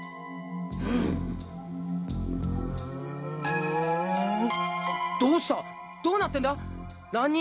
うーむうどうしたどうなってんだ？